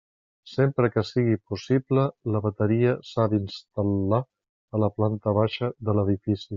Sempre que sigui possible, la bateria s'ha d'instal·lar a la planta baixa de l'edifici.